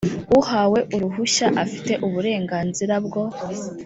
uhawe uruhushya afite uburenganzira bwo